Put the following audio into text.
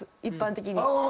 一般的に。